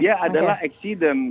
dia adalah eksiden